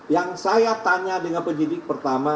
yang saya tanya dengan penyidik pertama